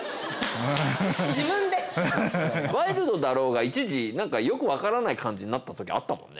「ワイルドだろ？」が一時なんかよくわからない感じになったときあったもんね。